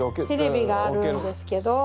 テレビがあるんですけど。